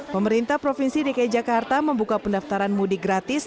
pemerintah provinsi dki jakarta membuka pendaftaran mudik gratis